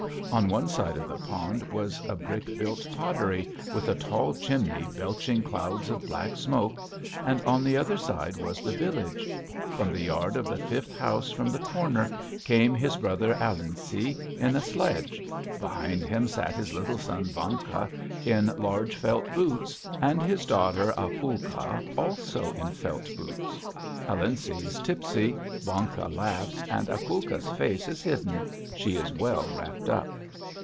On one side of the pond was a brick built pottery, with a tall chimney belching clouds of black smoke, and on the other side was the village.... From the yard of the fifth house from the corner came his brother Alency in a sledge; behind him sat his little son Vanka in large felt boots, and his daughter Akulka, also in felt boots. Alency is tipsy, Vanka laughs, and Akulka's face is hidden she is well wrapped up.